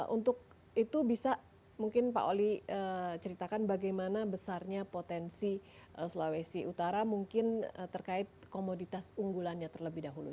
untuk itu bisa mungkin pak oli ceritakan bagaimana besarnya potensi sulawesi utara mungkin terkait komoditas unggulannya terlebih dahulu